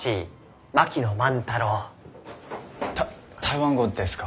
た台湾語ですか？